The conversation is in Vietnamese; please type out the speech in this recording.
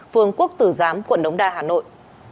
phường quốc tử giám quận đống đa hà nội